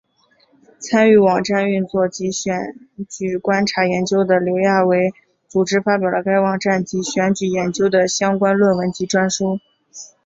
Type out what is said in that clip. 参与网站运作及选举观察研究的刘亚伟组织发表了该网站及选举研究的相关论文及专书。